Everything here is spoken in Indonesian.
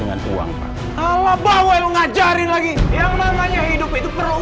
gue seikut campur